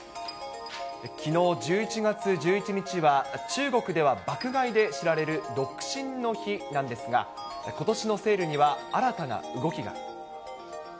きのう、１１月１１日は中国では爆買いで知られる独身の日なんですが、ことしのセールには、新たな動きが。